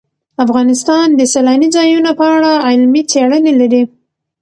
افغانستان د سیلانی ځایونه په اړه علمي څېړنې لري.